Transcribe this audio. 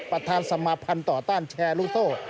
ประธานสมาภัณฑ์ต่อต้านแชร์ลูกโซ่